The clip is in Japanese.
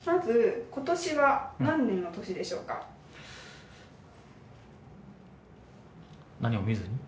まず、ことしは何年の年でし何も見ずに？